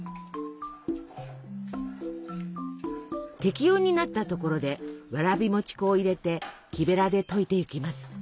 適温になったところでわらび餅粉を入れて木べらで溶いていきます。